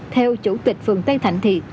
theo chủ tịch phường tây thạnh thì